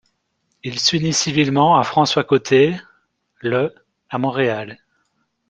Il s'unit civilement à François Côté le à Montréal.